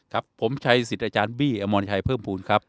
ครับผมชัยสิทธิ์อาจารย์บี้อมรชัยเพิ่มภูมิครับ